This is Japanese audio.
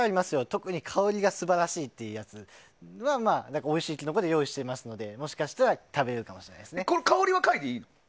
特に香りが素晴らしいというやつはおいしいキノコで用意していますのでもしかしたら食べれるかもしれないですね。